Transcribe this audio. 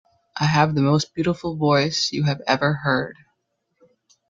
I have the most beautiful voice you have ever heard.